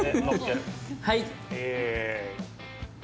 はい。